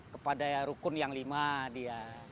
kepada rukun yang lima dia